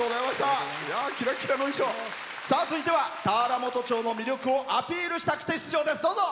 続いては、田原本町の魅力をアピールしたくて出場です。